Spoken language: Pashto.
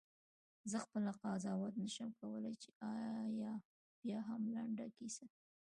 زه خپله قضاوت نه شم کولای چې آیا بیاهم لنډه کیسه.